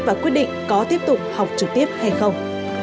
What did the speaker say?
và quyết định có tiếp tục học trực tiếp hay không